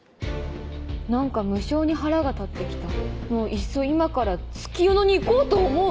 「なんか無性に腹が立ってきたもういっそ今から月夜野に行こうと思う」